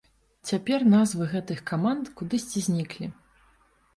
Цяпер назвы гэтых каманд кудысьці зніклі.